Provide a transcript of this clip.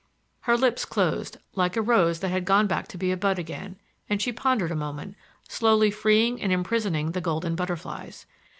Her lips closed—like a rose that had gone back to be a bud again—and she pondered a moment, slowly freeing and imprisoning the golden butterflies.